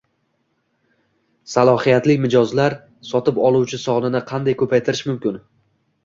Salohiyatli mijozlar - sotib oluvchi sonini qanday ko’paytirish mumkin?